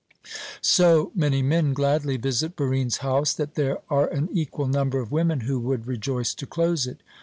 So many men gladly visit Barine's house that there are an equal number of women who would rejoice to close it.